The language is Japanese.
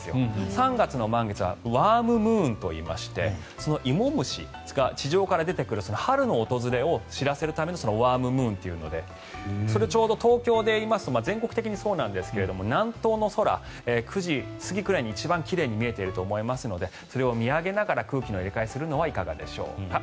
３月の満月はワームムーンといいまして芋虫、地上から出てくる春の訪れを知らせるためのワームムーンというのでそれ、ちょうど東京でいいますと全国的にそうなんですが南東の空９時過ぎくらいに一番奇麗に見えていると思いますのでそれを見上げながら空気の入れ替えをするのはいかがでしょうか。